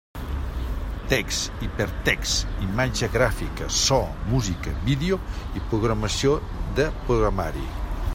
Text, hipertext, imatge gràfica, so, música, vídeo i programació de programari.